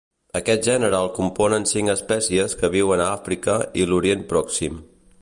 Aquest gènere el componen cinc espècies que viuen a Àfrica i l'Orient Pròxim.